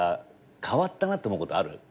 変わったなって思うことある？